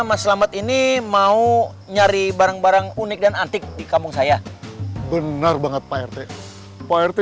mas selamat ini mau nyari barang barang unik dan antik di kampung saya benar banget pak rt pak rt